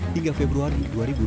hingga februari dua ribu dua puluh